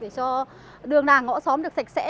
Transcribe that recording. để cho đường đà ngõ xóm được sạch sẽ